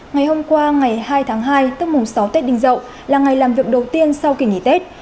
ngày hôm qua ngày hai tháng hai tức mùng sáu tết đinh dậu là ngày làm việc đầu tiên sau kỳ nghỉ tết